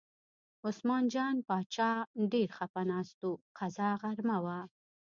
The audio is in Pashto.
عثمان جان باچا ډېر خپه ناست و، قضا غرمه وه.